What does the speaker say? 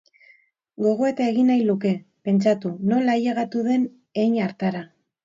Gogoeta egin nahi luke, pentsatu, nola ailegatu den hein hartara.